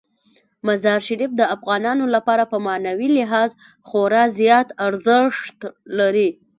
مزارشریف د افغانانو لپاره په معنوي لحاظ خورا زیات ارزښت لري.